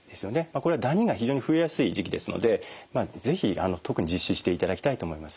これはダニが非常に増えやすい時期ですのでまあ是非特に実施していただきたいと思います。